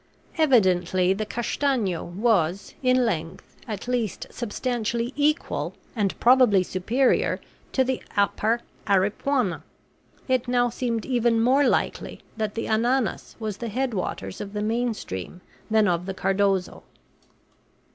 Evidently the Castanho was, in length at least, substantially equal, and probably superior, to the upper Aripuanan; it now seemed even more likely that the Ananas was the headwaters of the main stream than of the Cardozo.